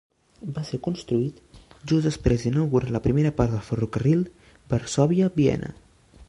Va ser construït just després d'inaugurar la primera part del ferrocarril Varsòvia-Viena.